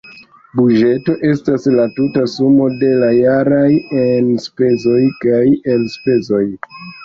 Buĝeto estas la tuta sumo de la jaraj enspezoj kaj elspezoj.